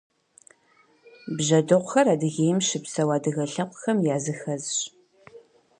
Бжьэдыгъухэр Адыгейм щыпсэу адыгэ лъэпкъхэм языхэзщ.